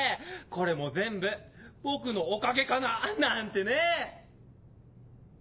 これも全部僕のおかげかななんてね。